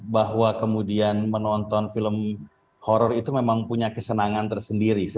bahwa kemudian menonton film horror itu memang punya kesenangan tersendiri